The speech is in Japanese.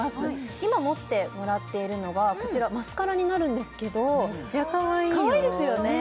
今持ってもらっているのはこちらマスカラになるんですけどめっちゃかわいいよかわいいですよね